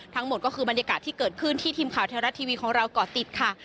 ทั้งหมดก็คือบรรยากาศที่เกิดขึ้นที่ทีมข่าวเทวรัฐทีวีของเราก่อติดค่ะ